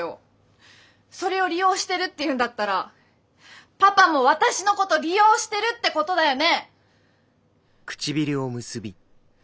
それを利用してるって言うんだったらパパも私のこと利用してるってことだよね！？